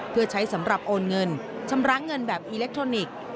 เพื่อใช้สำหรับโอนเงินชำระเงินแบบอิเล็กทรอนิกส์